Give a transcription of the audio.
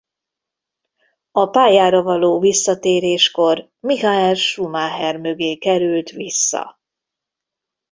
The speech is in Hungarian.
A pályára való visszatéréskor Michael Schumacher mögé került vissza.